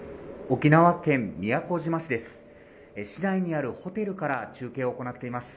沖縄県宮古島市です